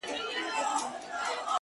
• د لېوه زوی نه اموخته کېږي ,